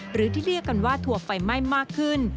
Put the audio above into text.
หรือที่เรียกกันว่าถั่วไฟไหม้มากขึ้น